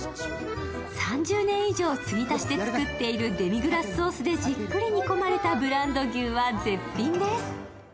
３０年以上注ぎ足して作っているデミグラスソースでじっくり煮込まれたブランド牛は絶品です。